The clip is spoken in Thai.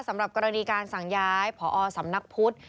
สำหรับกรณีการสั่งย้ายผอสำนักพุทธ